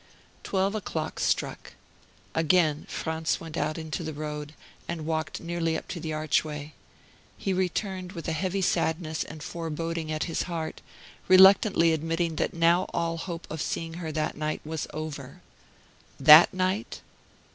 Twelve o'clock struck. Again Franz went out into the road, and walked nearly up to the archway; he returned with heavy sadness and foreboding at his heart, reluctantly admitting that now all hope of seeing her that night was over. That night?